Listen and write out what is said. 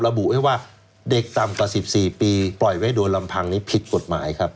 ระบุไว้ว่าเด็กต่ำกว่า๑๔ปีปล่อยไว้โดนลำพังนี้ผิดกฎหมายครับ